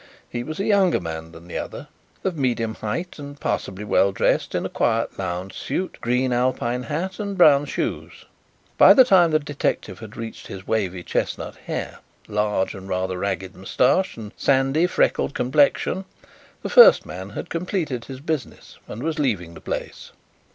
He was a younger man than the other, of medium height, and passably well dressed in a quiet lounge suit, green Alpine hat and brown shoes. By the time the detective had reached his wavy chestnut hair, large and rather ragged moustache, and sandy, freckled complexion, the first man had completed his business and was leaving the place.